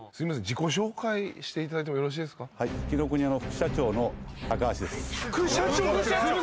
自己紹介していただいてもよろしいですかはい紀ノ国屋の副社長の橋です副社長！？